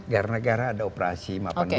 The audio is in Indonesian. karena negara ada operasi